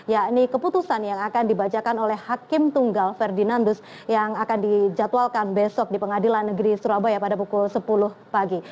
yakni keputusan yang akan dibacakan oleh hakim tunggal ferdinandus yang akan dijadwalkan besok di pengadilan negeri surabaya pada pukul sepuluh pagi